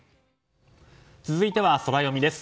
続いてはソラよみです。